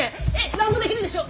蘭語できるでしょ？